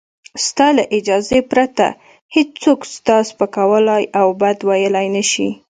ستا له اجازې پرته هېڅوک تا سپکولای او بد ویلای نشي.